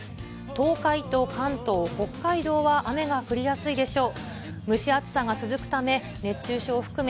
東海と関東、北海道は雨が降りやすいでしょう。